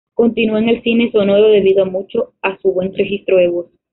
Continuó en el cine sonoro debido mucho a su buen registro de voz.